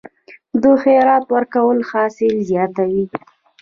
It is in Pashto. د خیرات ورکول حاصل زیاتوي؟